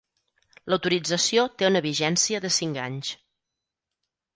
L'autorització té una vigència de cinc anys.